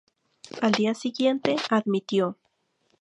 Al día siguiente, dimitió.